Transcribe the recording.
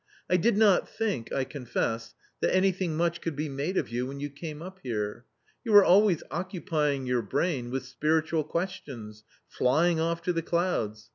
I did not think, I confess, that anything much could be made of you when you came up here. You were always occupying your brain with spiritual questions, flying off to the clouds.